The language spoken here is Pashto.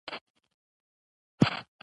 افغانستان د بادام کوربه دی.